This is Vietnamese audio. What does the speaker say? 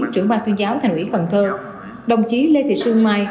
trưởng ban tuyên giáo thành ủy cần thơ đồng chí lê thị sương mai